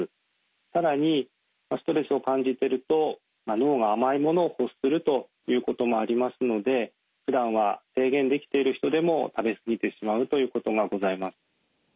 更にストレスを感じてると脳が甘いものを欲するということもありますのでふだんは制限できている人でも食べ過ぎてしまうということがございます。